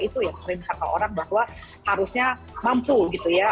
itu yang sering kata orang bahwa harusnya mampu gitu ya